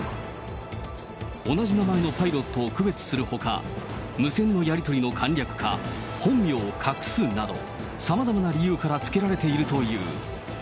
同じ名前のパイロットを区別するほか、無線のやり取りの簡略化、本名を隠すなど、さまざまな理由からつけられているという。